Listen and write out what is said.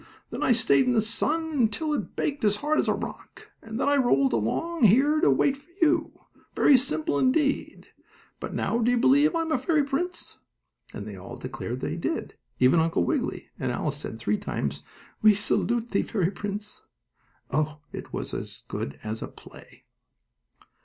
Then I stayed in the sun until it was baked as hard as a rock, and then I rolled along here to wait for you. Very simple, indeed. But, now, do you believe I am a fairy prince?" And they all declared they did, even Uncle Wiggily, and Alice said three times: "We salute thee, fairy prince." Oh, it was as good as a play!